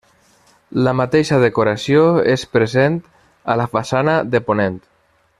La mateixa decoració és present a la façana de ponent.